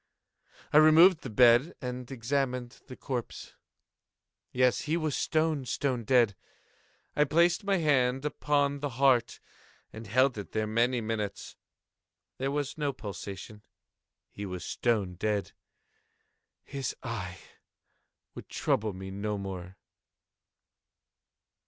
I removed the bed and examined the corpse. Yes, he was stone, stone dead. I placed my hand upon the heart and held it there many minutes. There was no pulsation. He was stone dead. His eye would trouble me no more.